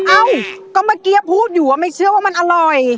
เอ้าก็เมื่อกี้พูดอยู่ว่าไม่เชื่อว่ามันอร่อย